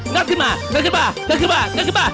ขึ้นมางัดขึ้นมางึกขึ้นมางัดขึ้นมา